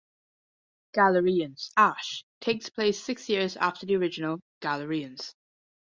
"Galerians: Ash" takes place six years after the original "Galerians".